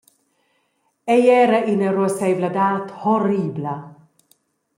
Ei era ina ruasseivladad horribla.